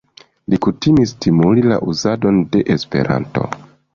Li kutimis stimuli la uzadon de Esperanto.